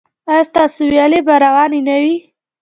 ایا ستاسو ویالې به روانې نه وي؟